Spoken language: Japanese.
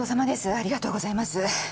ありがとうございます。